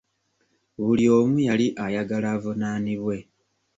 Buli omu yali ayagala avunaanibwe.